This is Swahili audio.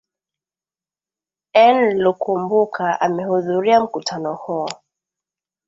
en lukumbuka amehudhuria mkutano huo